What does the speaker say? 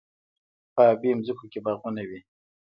په ابی ځمکو کې باغونه وي.